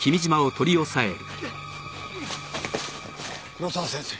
黒沢先生